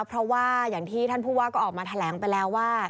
เพราะว่าอย่างที่ท่านผู้ว่าก็ออกมาแถลงไปแล้วว่า